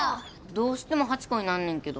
どうしても８個になんねんけど。